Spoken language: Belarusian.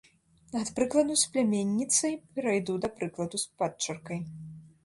Ад прыкладу з пляменніцай перайду да прыкладу з падчаркай.